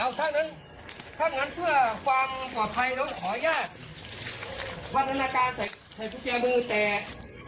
เอาสั้นนึงทั้งนั้นเพื่อความปลอดภัยแล้วขอแยกพันธนาการใส่ใส่กุญแจมือแตก